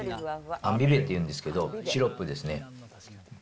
アンビベっていうんですけど、シロップですね。